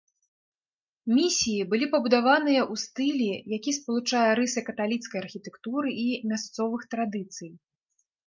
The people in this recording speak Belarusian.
Місіі былі пабудаваныя ў стылі, які спалучае рысы каталіцкай архітэктуры і мясцовых традыцый.